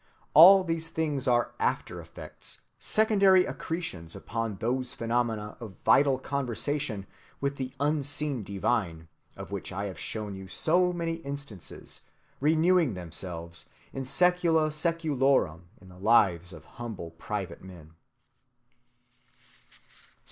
All these things are after‐effects, secondary accretions upon those phenomena of vital conversation with the unseen divine, of which I have shown you so many instances, renewing themselves in sæcula sæculorum in the lives of humble private men.